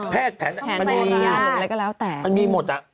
แพทย์แผนมันมีมันมีหมดน่ะ